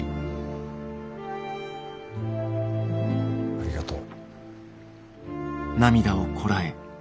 ありがとう。